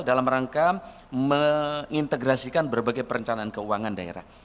dalam rangka mengintegrasikan berbagai perencanaan keuangan daerah